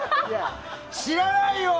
知らないよ！